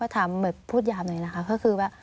ถามเหมือนพูดยามหน่อยนะคะก็คือว่า